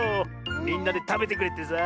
みんなでたべてくれってさあ。